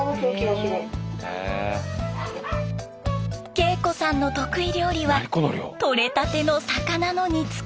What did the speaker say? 敬子さんの得意料理は取れたての魚の煮付け。